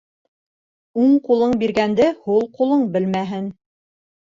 Уң ҡулың биргәнде һул ҡулың белмәһен.